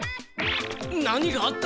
何があった？